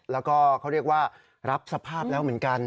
แล้วก็เขาเรียกว่ารับสภาพแล้วเหมือนกัน